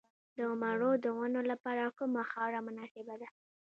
د مڼو د ونو لپاره کومه خاوره مناسبه ده؟